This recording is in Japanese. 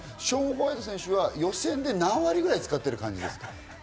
ショーン・ホワイト選手は予選で何割ぐらい使ってる感じですか？